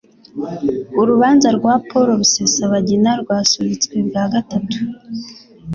Urubanza rwa Paul Rusesabagina Rwasubitswe bwa Gatatu